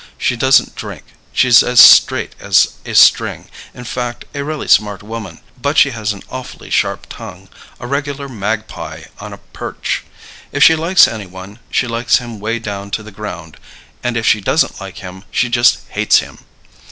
She doesn't drink, she's as straight as a string in fact, a really smart woman; but she has an awfully sharp tongue, a regular magpie on a perch. If she likes any one, she likes him way down to the ground, and if she doesn't like him, she just hates him!